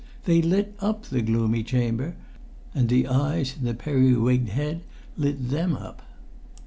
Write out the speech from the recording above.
They lit up the gloomy chamber, and the eyes in the periwigged head lit them up.